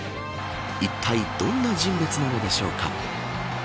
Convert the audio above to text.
いったいどんな人物なのでしょうか。